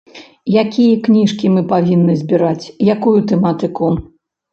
Якія кніжкі мы павінны збіраць, якую тэматыку?